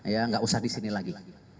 tidak usah di sini lagi